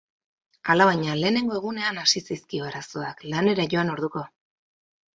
Alabaina, lehenengo egunean hasi zaizkie arazoak, lanera joan orduko.